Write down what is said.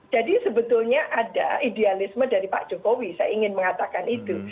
jadi sebetulnya ada idealisme dari pak jokowi saya ingin mengatakan itu